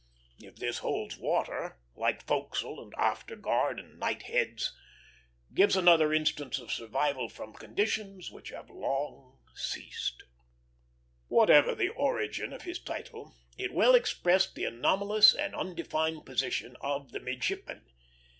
If this holds water, it, like forecastle, and after guard, and knightheads, gives another instance of survival from conditions which have long ceased. Whatever the origin of his title, it well expressed the anomalous and undefined position of the midshipman.